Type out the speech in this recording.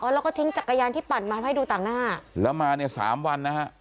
แล้วก็ทิ้งจักรยานที่ปั่นมาให้ดูต่างหน้าแล้วมาเนี่ยสามวันนะฮะ